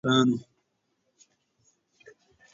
دا ځکه چې پښتو ژبه د تیری پیړۍ دواکدارانو